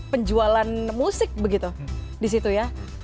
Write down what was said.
penjualan musik begitu di situ ya